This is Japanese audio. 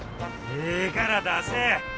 ええから出せ！